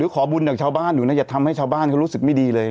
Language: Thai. ขอบุญจากชาวบ้านอยู่นะอย่าทำให้ชาวบ้านเขารู้สึกไม่ดีเลย